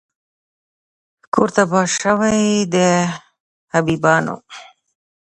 کور تباه سوی د حبیبیانو